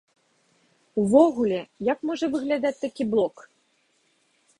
Увогуле, як можа выглядаць такі блок?